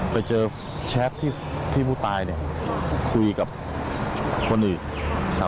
ไปเจอแช็คที่ผู้ตายคุยกับคนอื่น